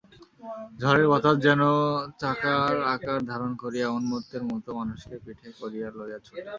ঝড়ের বাতাস যেন চাকার আকার ধারণ করিয়া উন্মত্তের মতো মানুষকে পিঠে করিয়া লইয়া ছোটে।